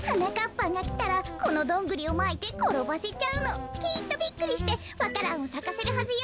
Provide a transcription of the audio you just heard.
ぱんがきたらこのドングリをまいてころばせちゃうの。きっとびっくりしてわか蘭をさかせるはずよ。